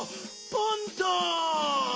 パンタ！